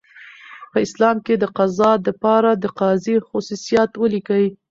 په اسلام کي دقضاء د پاره دقاضي خصوصیات ولیکئ؟